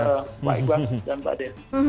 demikian pak iwan dan pak den